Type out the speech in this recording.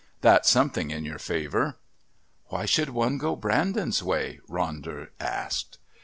That's something in your favour." "Why should one go Brandon's way?" Ronder asked.